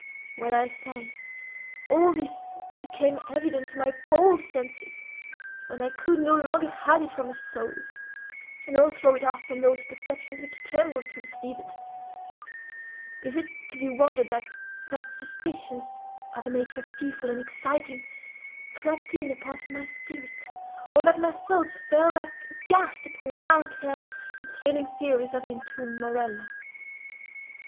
When, I say, all this became evident to my appalled senses—when I could no longer hide it from my soul, nor throw it off from those perceptions which trembled to receive it—is it to be wondered at that suspicions, of a nature fearful and exciting, crept in upon my spirit, or that my thoughts fell back aghast upon the wild tales and thrilling theories of the entombed Morella?